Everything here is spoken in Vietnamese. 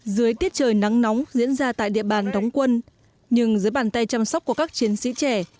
dưới tiết trời nắng nóng diễn ra tại địa bàn đóng quân nhưng dưới bàn tay chăm sóc của các chiến sĩ trẻ